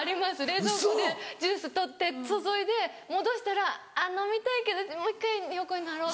冷蔵庫でジュース取って注いで戻したら飲みたいけどもう１回横になろう。